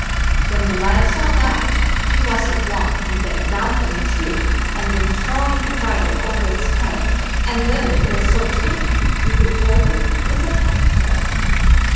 When the lad saw that, he wasn't long in getting down from the tree, and in throwing the bridle over its head, and then it was so tame you could hold it with a pack thread.